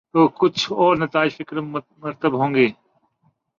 تو کچھ اور نتائج فکر مرتب ہوں۔